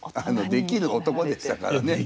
できる男でしたからね。